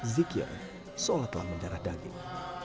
zikir seolah telah mendarah daging